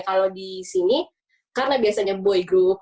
kalau di sini karena biasanya boy group